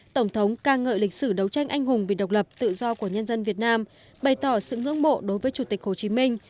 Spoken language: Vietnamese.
tổng thống ca ngợi lịch sử đấu tranh anh hùng vì độc lập tự do của nhân dân việt nam bày tỏ sự ngưỡng mộ đối với chủ tịch hồ chí minh